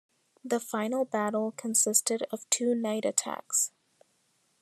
The final battle consisted of two night attacks.